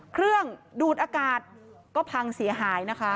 เครื่องดูดอากาศก็พังเสียหายนะคะ